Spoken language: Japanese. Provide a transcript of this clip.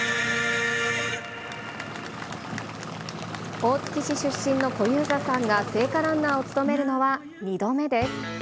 大月市出身の小遊三さんが聖火ランナーを務めるのは２度目です。